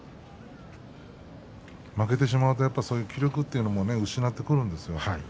負けてしまうと、そういう気力というのも失ってくるんですよ。